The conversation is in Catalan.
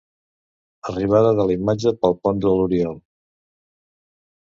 Arribada de la imatge pel pont de l'Oriol.